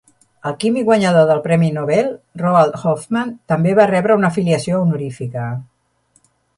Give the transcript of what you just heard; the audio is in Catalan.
El químic guanyador del premi Nobel, Roald Hoffman, també va rebre una afiliació honorífica.